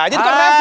jadi kok mengeks